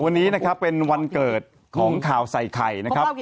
วันนี้เป็นวันเกิดของข่าวใส่ไข่